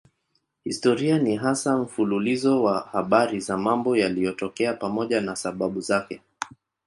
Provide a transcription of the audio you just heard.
Historia ni hasa mfululizo wa habari za mambo yaliyotokea pamoja na sababu zake.